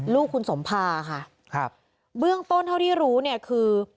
ลูกคุณสมภาค่ะครับเบื้องต้นเท่าที่รู้เนี่ยคือ